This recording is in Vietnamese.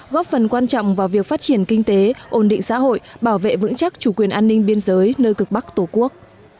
góp phần quan trọng vào việc phát triển kinh tế ổn định xã hội bảo vệ vững chắc chủ quyền an ninh biên giới nơi cực bắc tổ quốc